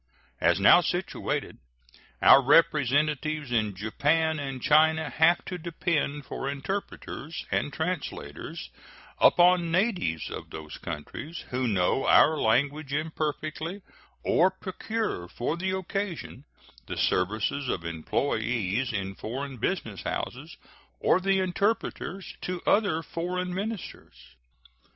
As now situated, our representatives in Japan and China have to depend for interpreters and translators upon natives of those countries who know our language imperfectly, or procure for the occasion the services of employees in foreign business houses or the interpreters to other foreign ministers.